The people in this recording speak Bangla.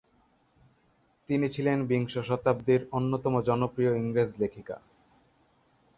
তিনি ছিলেন বিংশ শতাব্দীর অন্যতম জনপ্রিয় ইংরেজ লেখিকা।